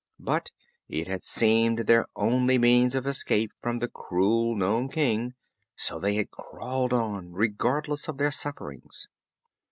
But it had seemed their only means of escape from the cruel Nome King; so they had crawled on, regardless of their sufferings.